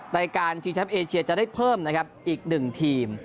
รายการชีชัมเอเชียจะได้เพิ่มนะครับอีกหนึ่งทีม